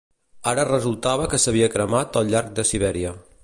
Ara resultava que s'havia cremat al llarg de Sibèria.